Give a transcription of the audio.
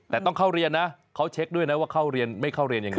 แต่ต้องเข้าเรียนนะเขาเช็คด้วยนะว่าเข้าเรียนไม่เข้าเรียนยังไง